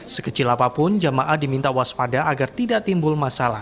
sekecil apapun jamaah diminta waspada agar tidak timbul masalah